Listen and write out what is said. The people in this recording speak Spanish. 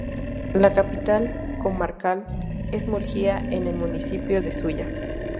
La capital comarcal es Murguía en el municipio de Zuya.